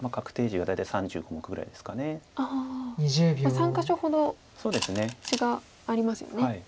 ３か所ほど地がありますよね。